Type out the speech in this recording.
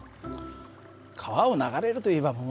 川を流れるといえば桃でしょ。